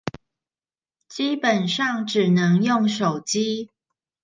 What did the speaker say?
基本上只能用手機